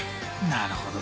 なるほど。